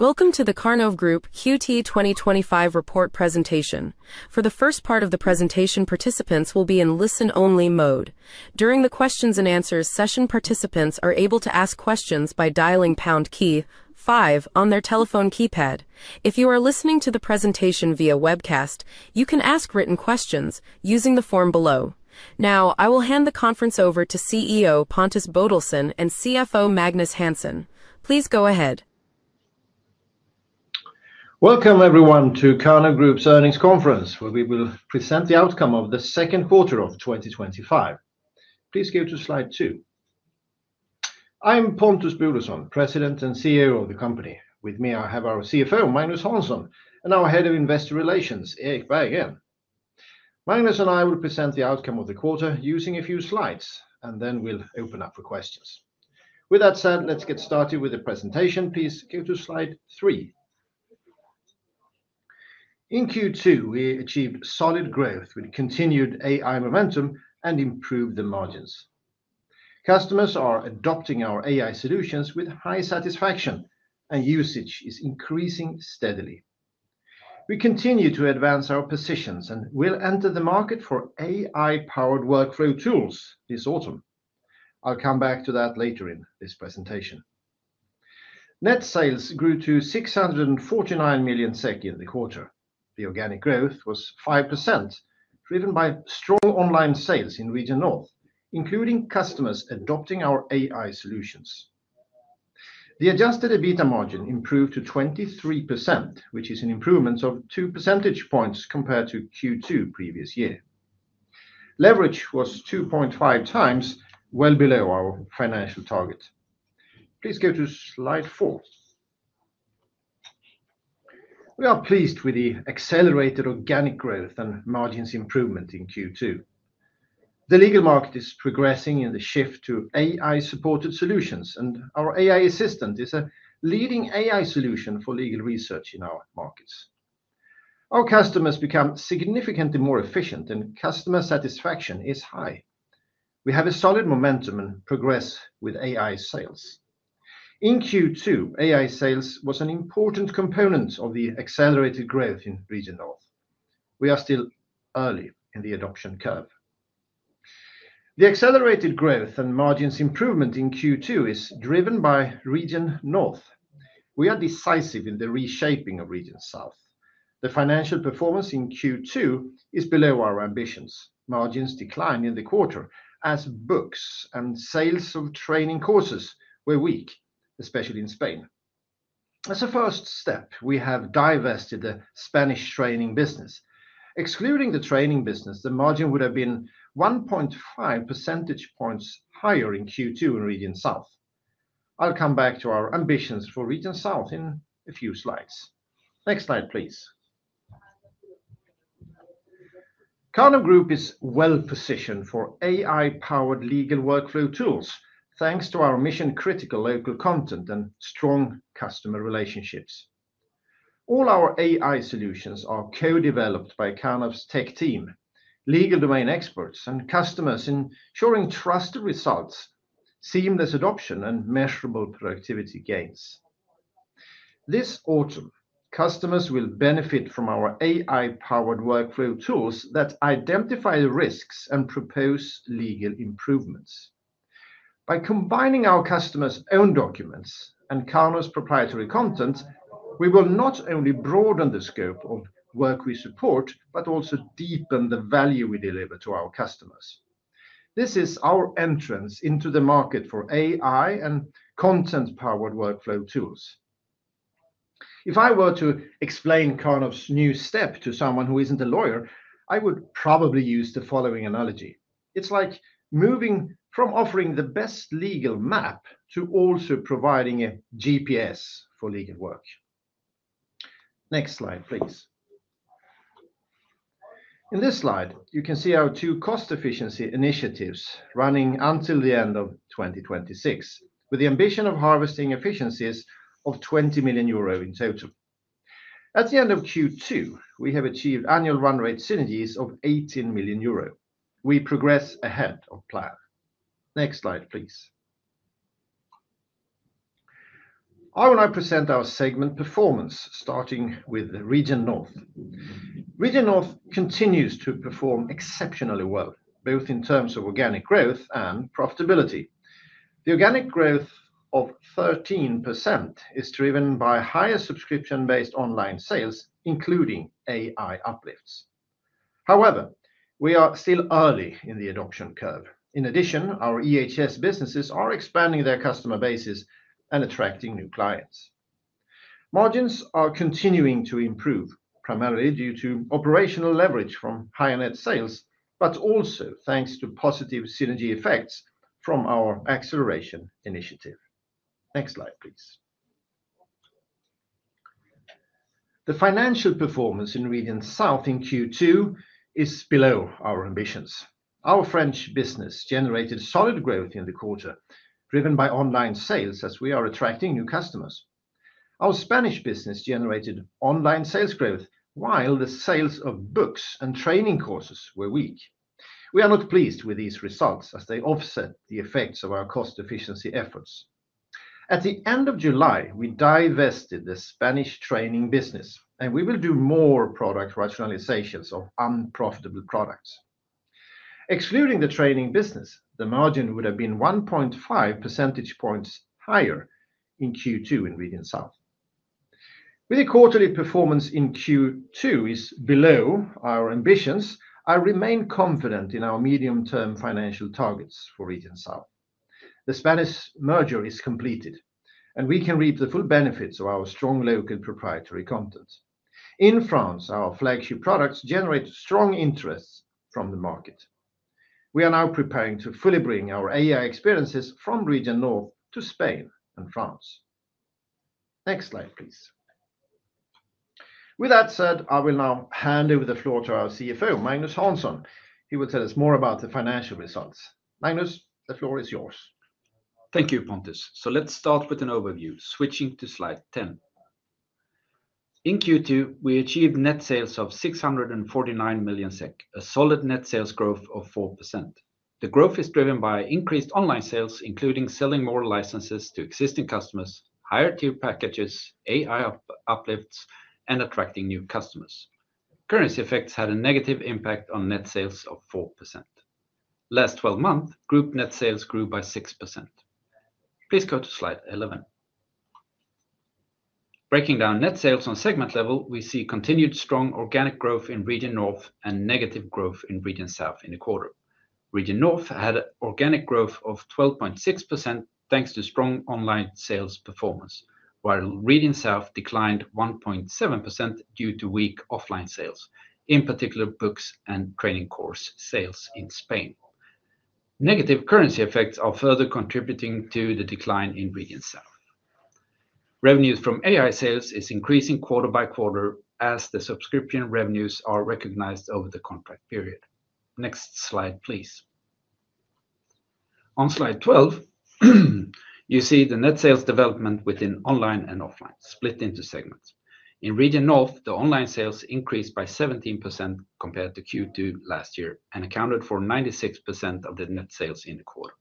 Welcome to the Karnov Group Q2 2025 Report Presentation. For the first part of the presentation, participants will be in listen-only mode. During the questions and answers session, participants are able to ask questions by dialing the pound key 5 on their telephone keypad. If you are listening to the presentation via webcast, you can ask written questions using the form below. Now, I will hand the conference over to CEO Pontus Bodelsson and CFO Magnus Hansson. Please go ahead. Welcome everyone to Karnov Group's Earnings Conference, where we will present the outcome of the second quarter of 2025. Please go to slide 2. I'm Pontus Bodelsson, President and CEO of the company. With me, I have our CFO, Magnus Hansson, and our Head of Investor Relations, Erik Berggren. Magnus and I will present the outcome of the quarter using a few slides, and then we'll open up for questions. With that said, let's get started with the presentation. Please go to slide 3. In Q2, we achieved solid growth with continued AI momentum and improved the margins. Customers are adopting our AI solutions with high satisfaction, and usage is increasing steadily. We continue to advance our positions and will enter the market for AI-powered workflow tools this autumn. I'll come back to that later in this presentation. Net sales grew to 649 million in the quarter. The organic growth was 5%, driven by strong online sales in Region North, including customers adopting our AI solutions. The adjusted EBITDA margin improved to 23%, which is an improvement of two percentage points compared to Q2 previous year. Leverage was 2.5x, well below our financial target. Please go to slide four. We are pleased with the accelerated organic growth and margins improvement in Q2. The legal market is progressing in the shift to AI-supported solutions, and our AI assistant is a leading AI solution for legal research in our markets. Our customers become significantly more efficient, and customer satisfaction is high. We have a solid momentum and progress with AI sales. In Q2, AI sales was an important component of the accelerated growth in Region North. We are still early in the adoption curve. The accelerated growth and margins improvement in Q2 is driven by Region North. We are decisive in the reshaping of Region South. The financial performance in Q2 is below our ambitions. Margins declined in the quarter as books and sales of training courses were weak, especially in Spain. As a first step, we have divested the Spanish training business. Excluding the training business, the margin would have been 1.5 percentage points higher in Q2 in Region South. I'll come back to our ambitions for Region South in a few slides. Next slide, please. Karnov Group is well positioned for AI-powered legal workflow tools, thanks to our mission-critical local content and strong customer relationships. All our AI solutions are co-developed by Karnov's tech team, legal domain experts, and customers, ensuring trusted results, seamless adoption, and measurable productivity gains. This autumn, customers will benefit from our AI-powered workflow tools that identify the risks and propose legal improvements. By combining our customers' own documents and Karnov's proprietary content, we will not only broaden the scope of work we support, but also deepen the value we deliver to our customers. This is our entrance into the market for AI and content-powered workflow tools. If I were to explain Karnov's new step to someone who isn't a lawyer, I would probably use the following analogy. It's like moving from offering the best legal map to also providing a GPS for legal work. Next slide, please. In this slide, you can see our two cost-efficiency initiatives running until the end of 2026, with the ambition of harvesting efficiencies of 20 million euro in total. At the end of Q2, we have achieved annual run-rate synergies of 18 million euro. We progress ahead of plan. Next slide, please. I will now present our segment performance, starting with Region North. Region North continues to perform exceptionally well, both in terms of organic growth and profitability. The organic growth of 13% is driven by higher subscription-based online sales, including AI uplifts. However, we are still early in the adoption curve. In addition, our EHS businesses are expanding their customer bases and attracting new clients. Margins are continuing to improve, primarily due to operational leverage from higher net sales, but also thanks to positive synergy effects from our acceleration initiative. Next slide, please. The financial performance in Region South in Q2 is below our ambitions. Our French business generated solid growth in the quarter, driven by online sales as we are attracting new customers. Our Spanish business generated online sales growth, while the sales of books and training courses were weak. We are not pleased with these results as they offset the effects of our cost-efficiency efforts. At the end of July, we divested the Spanish training business, and we will do more product rationalizations of unprofitable products. Excluding the training business, the margin would have been 1.5 percentage points higher in Q2 in Region South. With the quarterly performance in Q2 below our ambitions, I remain confident in our medium-term financial targets for Region South. The Spanish merger is completed, and we can reap the full benefits of our strong local proprietary content. In France, our flagship products generate strong interest from the market. We are now preparing to fully bring our AI experiences from Region North to Spain and France. Next slide, please. With that said, I will now hand over the floor to our CFO, Magnus Hansson. He will tell us more about the financial results. Magnus, the floor is yours. Thank you, Pontus. Let's start with an overview, switching to slide 10. In Q2, we achieved net sales of 649 million SEK, a solid net sales growth of 4%. The growth is driven by increased online sales, including selling more licenses to existing customers, higher tier packages, AI uplifts, and attracting new customers. Currency effects had a negative impact on net sales of 4%. Last 12 months, group net sales grew by 6%. Please go to slide 11. Breaking down net sales on segment level, we see continued strong organic growth in Region North and negative growth in Region South in the quarter. Region North had an organic growth of 12.6% thanks to strong online sales performance, while Region South declined 1.7% due to weak offline sales, in particular books and training course sales in Spain. Negative currency effects are further contributing to the decline in Region South. Revenues from AI sales are increasing quarter by quarter as the subscription revenues are recognized over the contract period. Next slide, please. On slide 12, you see the net sales development within online and offline, split into segments. In Region North, the online sales increased by 17% compared to Q2 last year and accounted for 96% of the net sales in the quarter.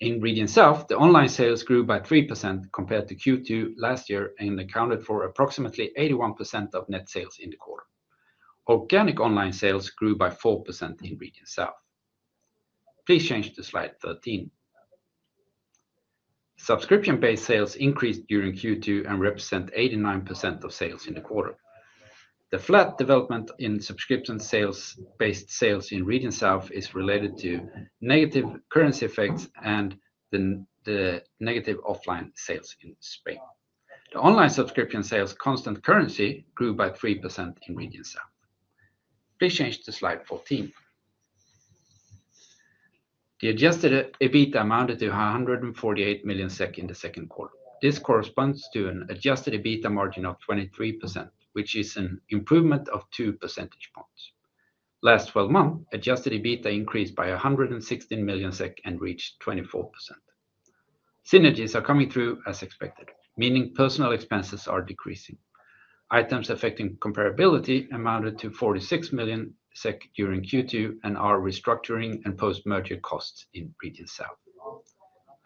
In Region South, the online sales grew by 3% compared to Q2 last year and accounted for approximately 81% of net sales in the quarter. Organic online sales grew by 4% in Region South. Please change to slide 13. Subscription-based sales increased during Q2 and represent 89% of sales in the quarter. The flat development in subscription-based sales in Region South is related to negative currency effects and the negative offline sales in Spain. The online subscription sales constant currency grew by 3% in Region South. Please change to slide 14. The adjusted EBITDA amounted to 148 million SEK in the second quarter. This corresponds to an adjusted EBITDA margin of 23%, which is an improvement of two percentage points. Last 12 months, adjusted EBITDA increased by 116 million SEK and reached 24%. Synergies are coming through as expected, meaning personnel expenses are decreasing. Items affecting comparability amounted to 46 million SEK during Q2 and are restructuring and post-merger costs in Region South.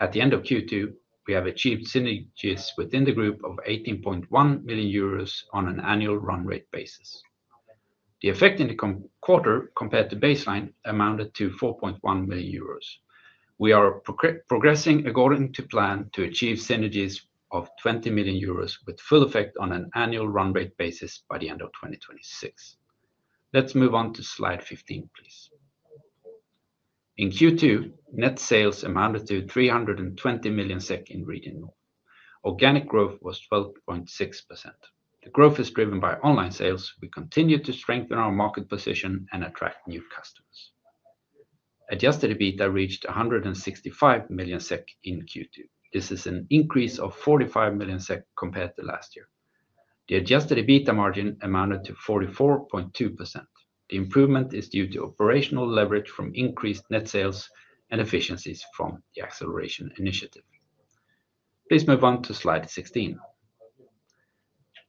At the end of Q2, we have achieved synergies within the group of 18.1 million euros on an annual run-rate basis. The effect in the quarter compared to baseline amounted to 4.1 million euros. We are progressing according to plan to achieve synergies of 20 million euros with full effect on an annual run-rate basis by the end of 2026. Let's move on to slide 15, please. In Q2, net sales amounted to 320 million SEK in Region North. Organic growth was 12.6%. The growth is driven by online sales. We continue to strengthen our market position and attract new customers. Adjusted EBITDA reached 165 million SEK in Q2. This is an increase of 45 million SEK compared to last year. The adjusted EBITDA margin amounted to 44.2%. The improvement is due to operational leverage from increased net sales and efficiencies from the acceleration initiative. Please move on to slide 16,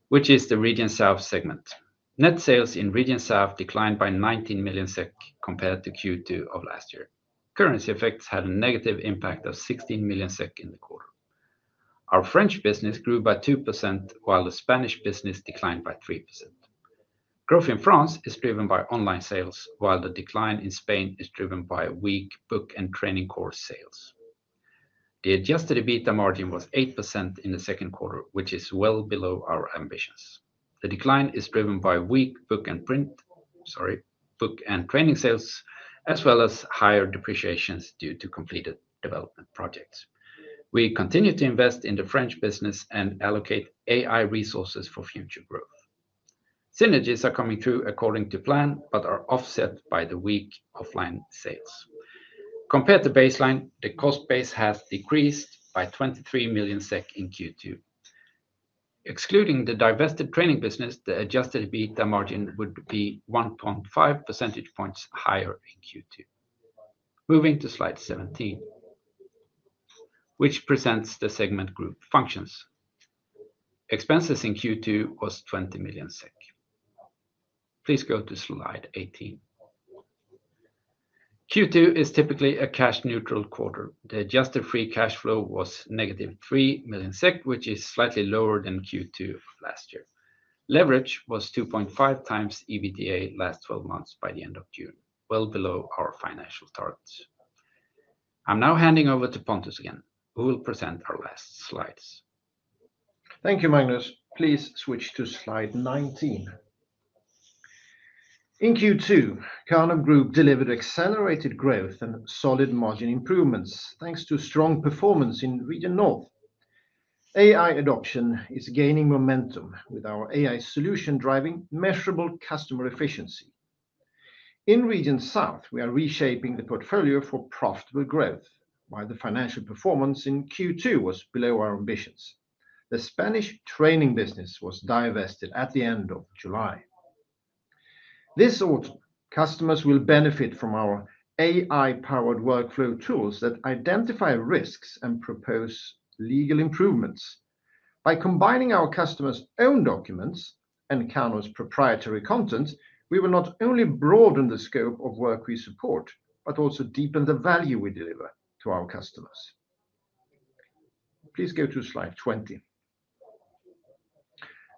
which is the Region South segment. Net sales in Region South declined by 19 million SEK compared to Q2 of last year. Currency effects had a negative impact of 16 million SEK in the quarter. Our French business grew by 2%, while the Spanish business declined by 3%. Growth in France is driven by online sales, while the decline in Spain is driven by weak book and training course sales. The adjusted EBITDA margin was 8% in the second quarter, which is well below our ambitions. The decline is driven by weak book and training sales, as well as higher depreciations due to completed development projects. We continue to invest in the French business and allocate AI resources for future growth. Synergies are coming through according to plan, but are offset by the weak offline sales. Compared to baseline, the cost base has decreased by 23 million SEK in Q2. Excluding the divested training business, the adjusted EBITDA margin would be 1.5 percentage points higher in Q2. Moving to slide 17, which presents the segment group functions. Expenses in Q2 were 20 million SEK. Please go to slide 18. Q2 is typically a cash-neutral quarter. The adjusted free cash flow was negative 3 million SEK, which is slightly lower than Q2 of last year. Leverage was 2.5x EBITDA last 12 months by the end of June, well below our financial targets. I'm now handing over to Pontus again, who will present our last slides. Thank you, Magnus. Please switch to slide 19. In Q2, Karnov Group delivered accelerated growth and solid margin improvements thanks to strong performance in Region North. AI adoption is gaining momentum with our AI solutions driving measurable customer efficiency. In Region South, we are reshaping the portfolio for profitable growth, while the financial performance in Q2 was below our ambitions. The Spanish training business was divested at the end of July. This autumn, customers will benefit from our AI-powered workflow tools that identify risks and propose legal improvements. By combining our customers' own documents and Karnov's proprietary content, we will not only broaden the scope of work we support, but also deepen the value we deliver to our customers. Please go to slide 20.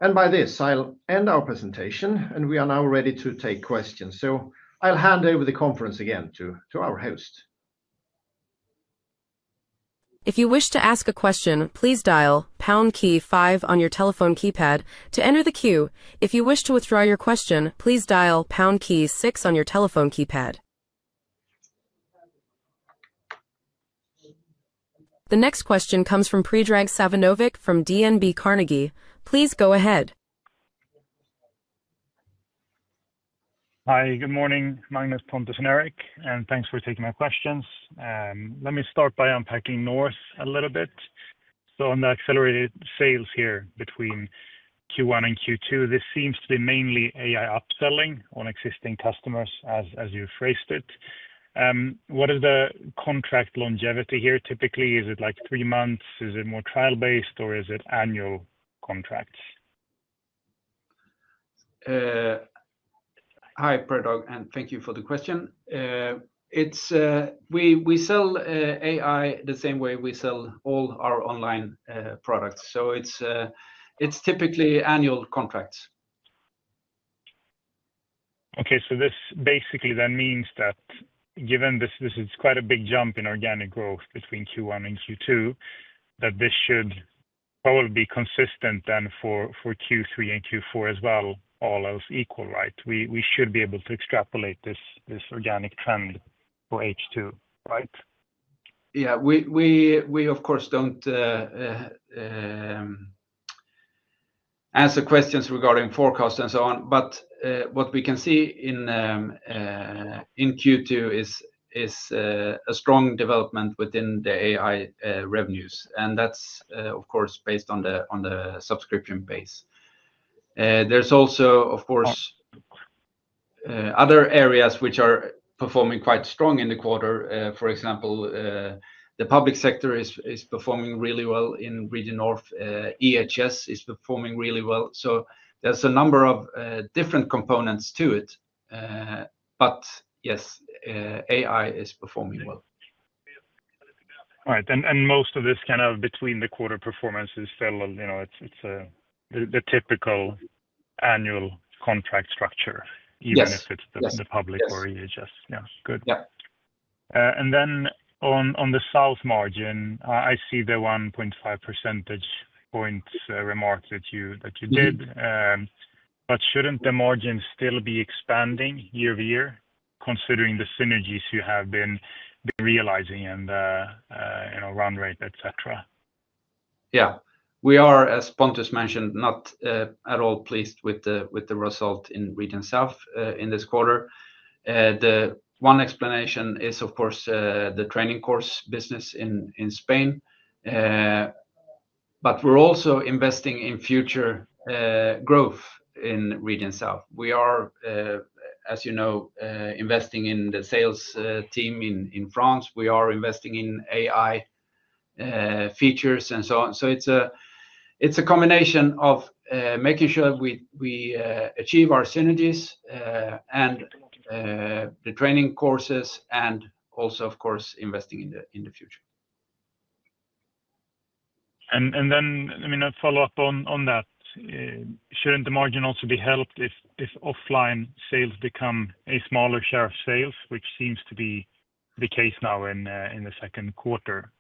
I will end our presentation, and we are now ready to take questions. I'll hand over the conference again to our host. If you wish to ask a question, please dial pound key five on your telephone keypad to enter the queue. If you wish to withdraw your question, please dial pound key six on your telephone keypad. The next question comes from Predrag Savinovic from DNB Carnegie. Please go ahead. Hi, good morning, Magnus, Pontus, and Erik, and thanks for taking my questions. Let me start by unpacking North a little bit. On the accelerated sales here between Q1 and Q2, this seems to be mainly AI upselling on existing customers, as you phrased it. What is the contract longevity here typically? Is it like three months? Is it more trial-based, or is it annual contracts? Hi, Predrag, and thank you for the question. We sell AI the same way we sell all our online products. It's typically annual contracts. Okay, so this basically then means that given this is quite a big jump in organic growth between Q1 and Q2, that this should probably be consistent then for Q3 and Q4 as well, all else equal, right? We should be able to extrapolate this organic trend for H2, right? Yeah, we of course don't answer questions regarding forecasts and so on, but what we can see in Q2 is a strong development within the AI revenues, and that's of course based on the subscription base. There's also other areas which are performing quite strong in the quarter. For example, the public sector is performing really well in Region North. EHS is performing really well. There are a number of different components to it, but yes, AI is performing well. All right, most of this kind of between-the-quarter performance is still, you know, it's the typical annual contract structure, even if it's the public or EHS. Yeah, good. Yeah. On the south margin, I see the 1.5 percentage points remark that you did. Shouldn't the margin still be expanding year-to-year, considering the synergies you have been realizing and the run rate, etc.? Yeah, we are, as Pontus mentioned, not at all pleased with the result in Region South in this quarter. The one explanation is of course the training course business in Spain. We're also investing in future growth in Region South. We are, as you know, investing in the sales team in France. We are investing in AI features and so on. It's a combination of making sure we achieve our synergies and the training courses and also, of course, investing in the future. Shouldn't the margin also be helped if offline sales become a smaller share of sales, which seems to be the case now in the second quarter?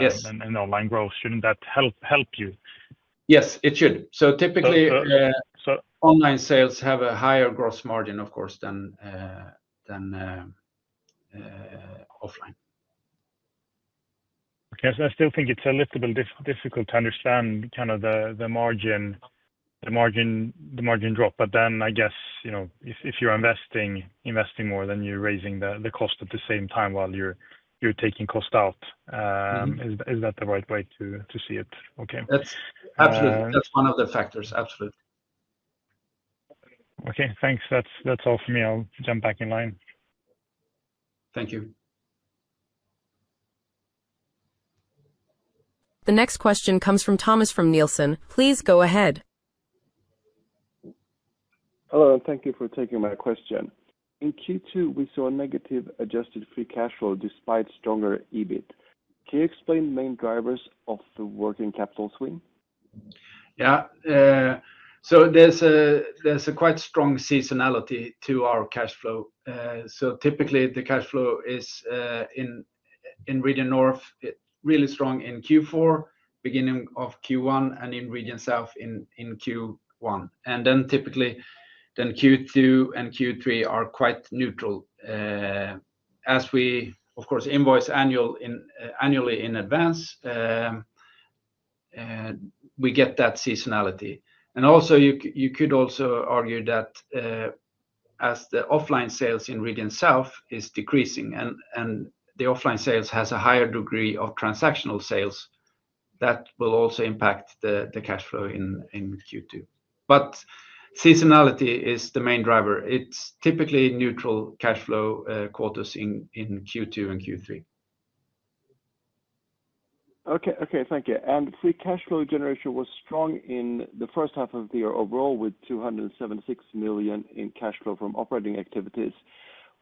Yes. Online growth, shouldn't that help you? Yes, it should. Typically, online sales have a higher gross margin, of course, than offline. Okay, I still think it's a little bit difficult to understand kind of the margin drop. I guess, if you're investing more than you're raising the cost at the same time while you're taking cost out, is that the right way to see it? Okay. Absolutely. That's one of the factors, absolutely. Okay, thanks. That's all for me. I'll jump back in line. Thank you. The next question comes from Thomas from Nielsen. Please go ahead. Hello, thank you for taking my question. In Q2, we saw a negative adjusted free cash flow despite stronger EBIT. Can you explain the main drivers of the working capital swing? Yeah, so there's a quite strong seasonality to our cash flow. Typically, the cash flow is in Region North really strong in Q4, beginning of Q1, and in Region South in Q1. Typically, Q2 and Q3 are quite neutral. As we, of course, invoice annually in advance, we get that seasonality. You could also argue that as the offline sales in Region South are decreasing and the offline sales have a higher degree of transactional sales, that will also impact the cash flow in Q2. Seasonality is the main driver. It's typically neutral cash flow quarters in Q2 and Q3. Okay, thank you. Cash flow generation was strong in the first half of the year overall with 276 million in cash flow from operating activities.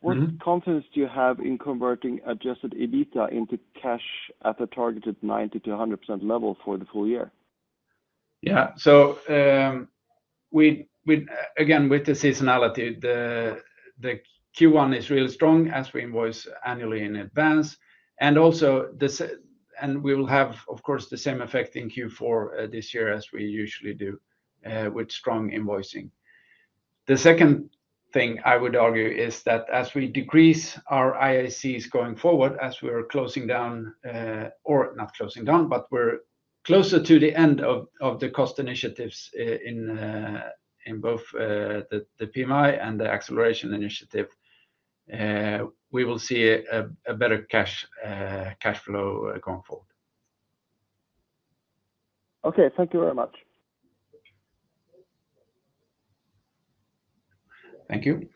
What confidence do you have in converting adjusted EBITDA into cash at a targeted 90100% level for the full year? Yeah, so again, with the seasonality, Q1 is really strong as we invoice annually in advance. Also, we will have, of course, the same effect in Q4 this year as we usually do with strong invoicing. The second thing I would argue is that as we decrease our IACs going forward, as we are closer to the end of the cost initiatives in both the PMI and the acceleration initiative, we will see a better cash flow going forward. Okay, thank you very much. Thank you.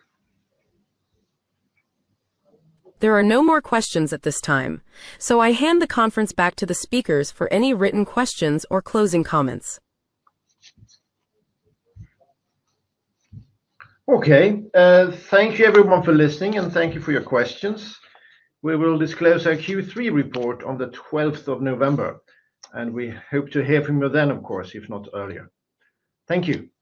There are no more questions at this time, so I hand the conference back to the speakers for any written questions or closing comments. Okay, thank you everyone for listening and thank you for your questions. We will disclose our Q3 report on the 12th of November, and we hope to hear from you then, of course, if not earlier. Thank you. Thank you.